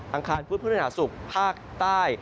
อังคารฟุตภูมิภาษาสุขภาคใต้